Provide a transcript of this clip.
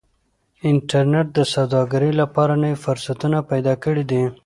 انټرنيټ د سوداګرۍ لپاره نوي فرصتونه پیدا کړي دي.